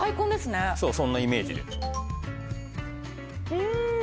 うん！